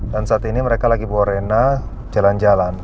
dan saat ini mereka lagi bawa reina jalan jalan